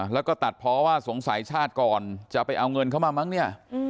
แล้วก็ตัดเพราะว่าสงสัยชาติก่อนจะไปเอาเงินเข้ามามั้งเนี่ย